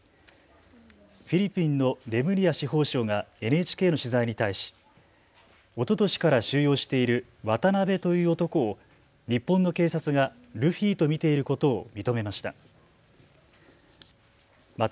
フィリピンのレムリア司法相がＮＨＫの取材に対しおととしから収容しているワタナベという男を日本の警察がルフィと見ていることを認めました。